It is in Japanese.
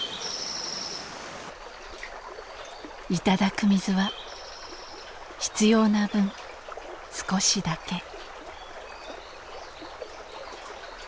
頂く水は必要な分少しだけ。